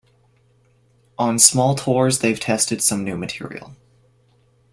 On small tours they've tested some new material.